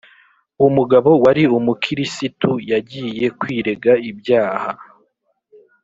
umugabo wari umukirisitu yagiye kwirega ibyaha